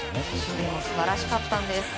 守備も素晴らしかったんです。